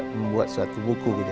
membuat suatu buku gitu